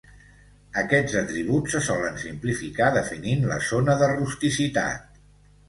Aquests atributs se solen simplificar definint la zona de rusticitat.